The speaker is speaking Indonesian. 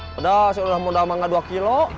padahal seolah olah mau dalam angka dua kilo